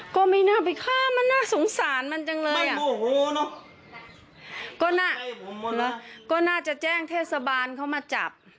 ก็น่าจะแจ้งเทศบาลเขามาจับ